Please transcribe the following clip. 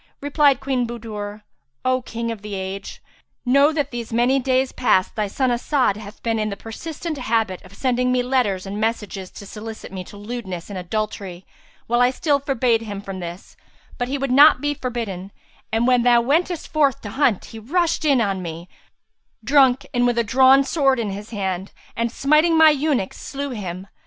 Replied Queen Budur, "O King of the age, know that these many days past thy son As'ad hath been in the persistent habit of sending me letters and messages to solicit me to lewdness and adultery while I still forbade him from this, but he would not be forbidden; and, when thou wentest forth to hunt, he rushed in on me, drunk and with a drawn sword in his hand, and smiting my eunuch, slew him.